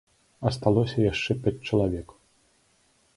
Асталося яшчэ пяць чалавек.